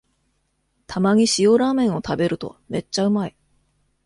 たまに塩ラーメンを食べるとめっちゃうまい